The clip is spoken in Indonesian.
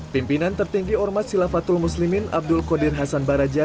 pimpinan tertinggi ormas silafatul muslimin abdul qadir hasan baraja